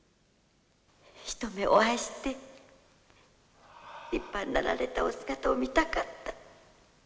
一目、お会いして立派になられたお姿を見たかった。